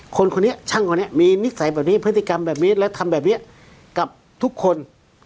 คนคนนี้ช่างคนนี้มีนิสัยแบบนี้พฤติกรรมแบบนี้และทำแบบนี้กับทุกคน